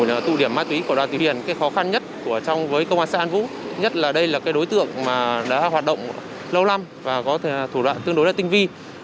ổ tụ điểm ma túy của đoàn thị huyền cái khó khăn nhất của trong với công an xã an vũ nhất là đây là cái đối tượng mà đã hoạt động lâu lắm và có thể thủ đoạn tương đối là tinh vi